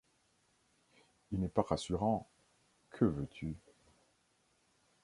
Il n’est pas rassurant, que veux-tu !